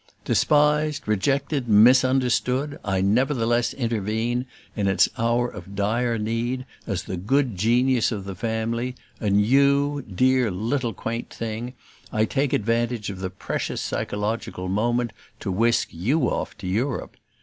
Despised, rejected, misunderstood, I nevertheless intervene, in its hour of dire need, as the good genius of the family; and you, dear little quaint thing, I take advantage of the precious psychological moment to whisk YOU off to Europe.